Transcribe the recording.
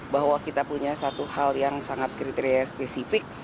bahwa kita punya satu hal yang sangat kriteria spesifik